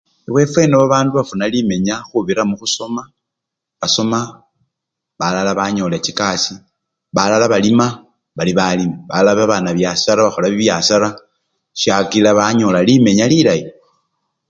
Ewefwe eno babandu bafuna limenya khubirira mukhusoma, basoma balala banyola chikasi, balala balima bali balimi balala banabyasara bakhola bibyasara syakila banyola limenya lilayi.